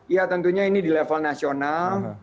ya tentunya ini di level nasional